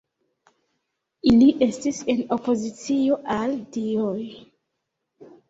Ili estis en opozicio al dioj.